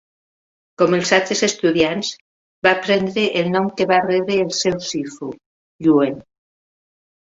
Com els altres estudiants, va prendre el nom que va rebre el seu sifu: "Yuen".